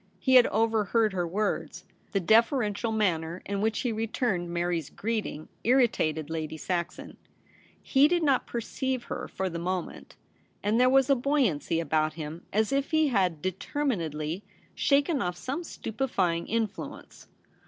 He had overheard her words. The deferential manner in which he returned Mary's greeting irritated Lady Saxon. He did not perceive her for the 262 THE REBEL ROSE. moment, and there was a buoyancy about him as if he had determinedly shaken off some stupefying influence.